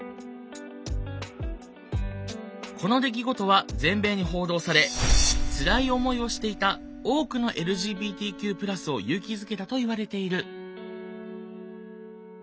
この出来事は全米に報道されつらい思いをしていた多くのＬＧＢＴＱ＋を勇気づけたといわれている。